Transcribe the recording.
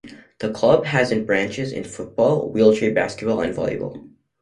The club has in branches in football, wheelchair basketball and volleyball.